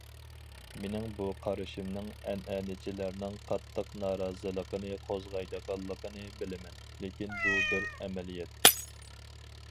مېنىڭ بۇ قارىشىمنىڭ ئەنئەنىچىلەرنىڭ قاتتىق نارازىلىقىنى قوزغايدىغانلىقىنى بىلىمەن، لېكىن، بۇ بىر ئەمەلىيەت.